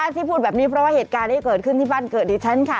ที่พูดแบบนี้เพราะว่าเหตุการณ์ที่เกิดขึ้นที่บ้านเกิดดิฉันค่ะ